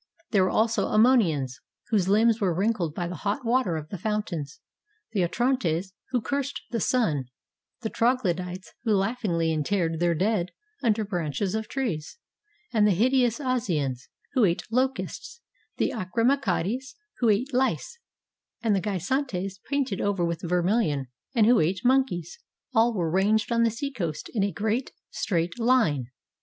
There were also Ammonians, whose limbs were wrin 279 NORTHERN AFRICA kled by the hot water of the fountains; the Atarantes, who cursed the sun; the Troglodytes, who laughingly in terred their dead under branches of trees ; and the hide ous Auseans, who ate locusts; the Achrymachidas, who ate Uce; and the Gysantes, painted over with vermilion, and who ate monkeys. All were ranged on the seacoast in a great, straight line.